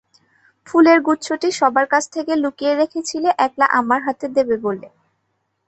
ফুলের গুচ্ছটি সবার কাছ থেকে লুকিয়ে রেখেছিলে একলা আমার হাতে দেবে বলে।